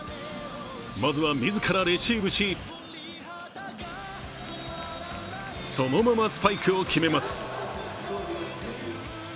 まずは自らレシーブしそのままスパイクを決めます。